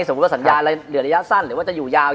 ว่าสัญญาเหลือระยะสั้นหรือว่าจะอยู่ยาว